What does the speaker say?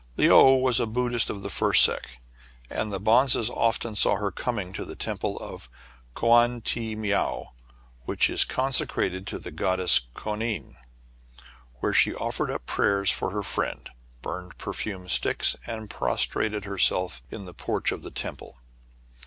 Le ou was a Buddhist of the first sect ; and the bonzes often saw her coming to the Temple of Koan Ti Miao, which is consecrated to the God dess Koanine. There she offered up prayers for her friend, burned perfumed sticks, and prostrated herself in the porch of the temple.